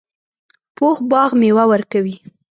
پوخ باغ میوه ورکوي